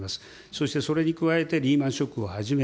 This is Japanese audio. そしてそれに加えて、リーマンショックをはじめ、